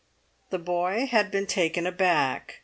The boy had been taken aback.